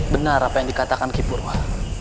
benar apa yang dikatakan ki purwa